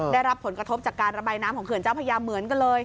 ได้รับผลกระทบจากการระบายน้ำของเขื่อนเจ้าพญาเหมือนกันเลย